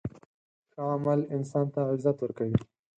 ښه عمل انسان ته عزت ورکوي.